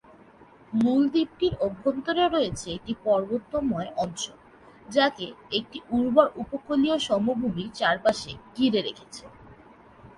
মূল দ্বীপটির অভ্যন্তরে রয়েছে একটি পর্বতময় অঞ্চল, যাকে একটি উর্বর উপকূলীয় সমভূমি চারপাশে ঘিরে রেখেছে।